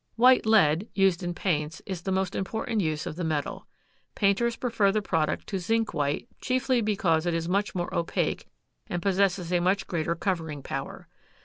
White lead, used in paints, is the most important use of the metal. Painters prefer the product to zinc white chiefly because it is much more opaque and possesses a much greater covering power.